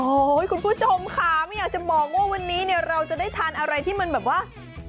โอ้โหคุณผู้ชมค่ะไม่อยากจะบอกว่าวันนี้เนี่ยเราจะได้ทานอะไรที่มันแบบว่า